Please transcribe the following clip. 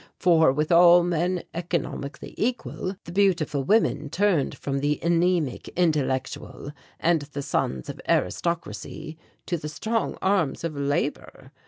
For, with all men economically equal, the beautiful women turned from the anemic intellectual and the sons of aristocracy, to the strong arms of labour.